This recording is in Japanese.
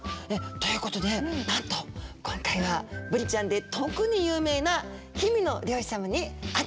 ということでなんと今回はブリちゃんで特に有名な氷見の漁師様に会ってきましたよ！